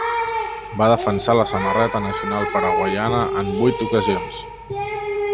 Va defensar la samarreta nacional paraguaiana en vuit ocasions.